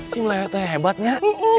sim lewatnya hebatnya